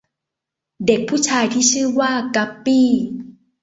เด็กผู้ชายที่ชื่อว่า กั๊ปปี้